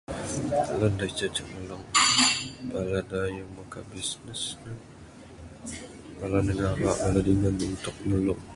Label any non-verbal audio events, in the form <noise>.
<noise> <unintelligible> Bala dayung muka bisnes bala ne ngaba bala dingan ne untuk nulung